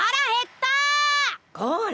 これ！